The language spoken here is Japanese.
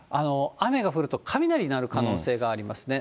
雨が降ると雷鳴る可能性がありますね。